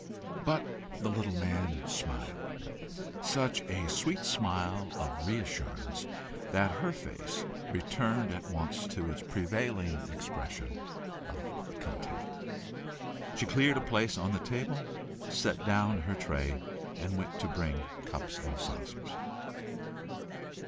But the little man smiled such a sweet smile of re assurance, that her face returned at once to its prevailing expression of content. She cleared a place on the table, set down her tray, and went to bring cups and saucers.